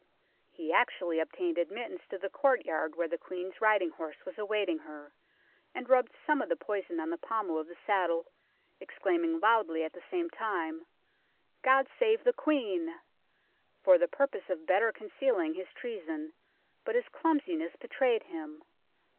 He actually obtained admittance to the courtyard where the Queen's riding horse was awaiting her, and rubbed some of the poison on the pommel of the saddle, exclaiming loudly at the same time, " God save the Queen !" for the purpose of better concealing his treason, but his clumsiness betrayed him.